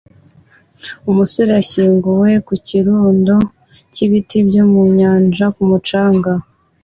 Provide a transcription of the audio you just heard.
Umusore yashyinguwe mu kirundo cy’ibiti byo mu nyanja ku mucanga